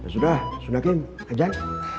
sudah sudah kim ajak